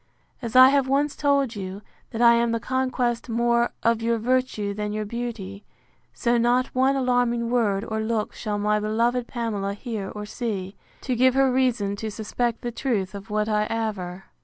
As I have once told you, that I am the conquest more of your virtue than your beauty; so not one alarming word or look shall my beloved Pamela hear or see, to give her reason to suspect the truth of what I aver.